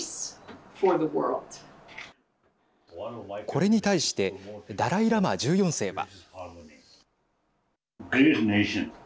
これに対してダライ・ラマ１４世は。